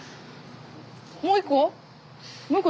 もう一個？